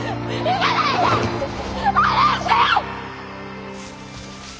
離して！